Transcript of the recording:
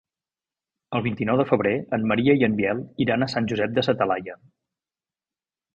El vint-i-nou de febrer en Maria i en Biel iran a Sant Josep de sa Talaia.